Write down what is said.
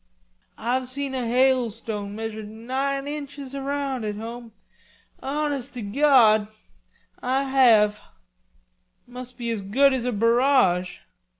"Ah've seen a hailstone measured nine inches around out home, honest to Gawd, Ah have." "Must be as good as a barrage."